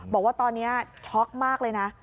บอกว่าตอนนี้ช็อกมากเลยนะ